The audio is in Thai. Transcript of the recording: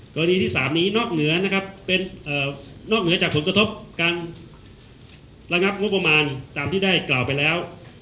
กรณีที่๓นี้นอกเหนือจากผลกระทบการระงับงบประมาณตามที่ได้กล่าวไปแล้ว